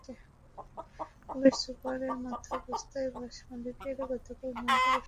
Police সুপারের মধ্যস্থতায় বাসমালিকেরা গতকাল মঙ্গলবার সকাল থেকে ধর্মঘট প্রত্যাহার করে নেন।